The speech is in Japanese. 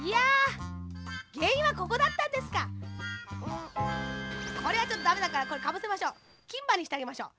「んこれはちょっとだめだからこれかぶせましょう。きんばにしてあげましょう。